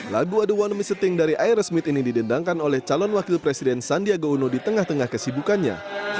lagu ada wanna miss a thing dari aira smith ini didendangkan oleh calon wakil presiden sandiaga uno di tengah tengah kesibukannya